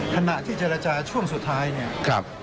ขณะที่เจรจาช่วงสุดท้ายเนี่ย